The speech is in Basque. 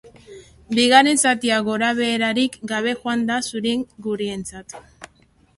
Bigarren zatia gorabeherarik gabe joan da zuri-gorrientzat.